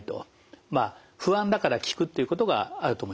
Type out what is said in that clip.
まあ不安だから聞くということがあると思います。